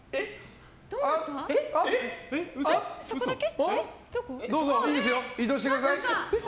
嘘、そこだけ？